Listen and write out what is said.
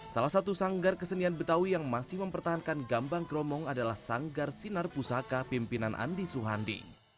salah satu sanggar kesenian betawi yang masih mempertahankan gambang kromong adalah sanggar sinar pusaka pimpinan andi suhandi